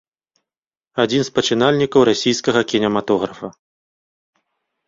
Адзін з пачынальнікаў расійскага кінематографа.